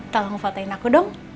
tolong fotain aku dong